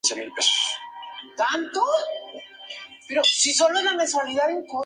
Su reunión con Will Magnus, Cyborg se entera que no le puede ayudar.